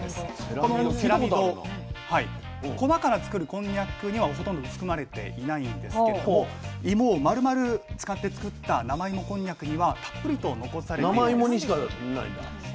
このセラミド粉から作るこんにゃくにはほとんど含まれていないんですけれども芋をまるまる使って作った生芋こんにゃくにはたっぷりと残されているんです。